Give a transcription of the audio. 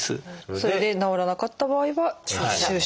それで治らなかった場合は「注射」と。